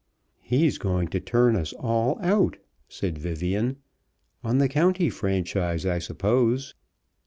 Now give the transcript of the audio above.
"He's going to turn us all out," said Vivian, "on the County Franchise, I suppose."